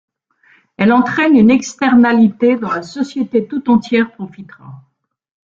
Elle entraîne une externalité dont la société tout entière profitera.